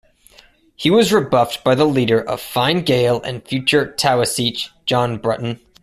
He was rebuffed by the leader of Fine Gael and future Taoiseach, John Bruton.